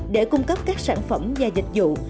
để cung cấp các sản phẩm và dịch vụ